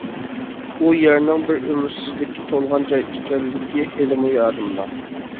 ئۇ يەرنىڭ بىر ئۈمىدسىزلىككە تولغا جاي ئىكەنلىكى ھېلىمۇ يادىمدا.